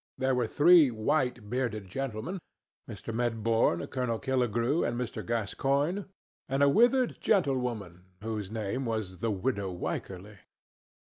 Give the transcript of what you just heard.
There were three white bearded gentlemen—Mr. Medbourne, Colonel Killigrew and Mr. Gascoigne—and a withered gentlewoman whose name was the widow Wycherly.